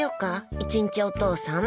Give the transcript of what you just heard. １日お父さん。